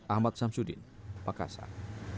ahmad samsudin makassar